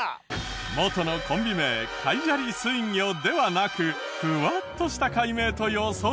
元のコンビ名海砂利水魚ではなくふわっとした改名と予想。